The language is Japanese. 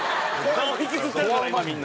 顔引きつってるから今みんな。